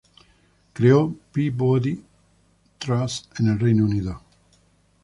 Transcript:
Creó Peabody Trust en el Reino Unido.